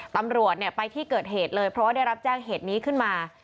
ตำรวจไปที่เกิดเหตุเลยเพราะว่าได้รับแจ้งเหตุนี้ขึ้นมา